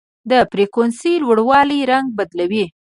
د فریکونسۍ لوړوالی رنګ بدلوي.